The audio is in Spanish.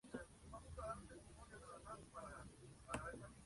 El aspecto de ambos sexos es similar.